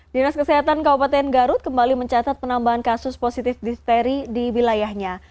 dinas kesehatan kabupaten garut kembali mencatat penambahan kasus positif difteri di wilayahnya